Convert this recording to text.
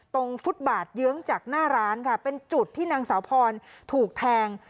ฟุตบาทเยื้องจากหน้าร้านค่ะเป็นจุดที่นางสาวพรถูกแทง